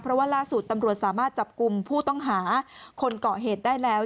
เพราะว่าล่าสุดตำรวจสามารถจับกลุ่มผู้ต้องหาคนเกาะเหตุได้แล้ว